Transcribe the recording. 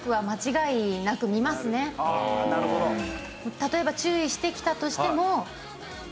例えば注意してきたとしても。